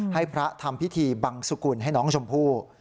ให้พระทำพิธีบังสุกุลให้น้องชมพู่